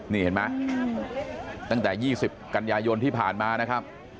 นี่เห็นไหมตั้งแต่๒๐กันยายนที่ผ่านมานะครับ